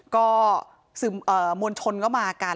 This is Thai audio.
ก็มวลชนก็มากัน